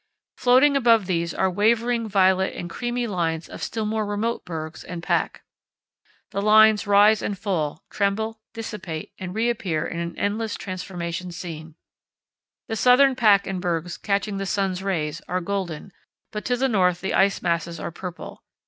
Floating above these are wavering violet and creamy lines of still more remote bergs and pack. The lines rise and fall, tremble, dissipate, and reappear in an endless transformation scene. The southern pack and bergs, catching the sun's rays, are golden, but to the north the ice masses are purple.